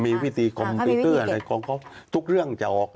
มีวิธีความพิเศษเลยทุกเรื่องจะออก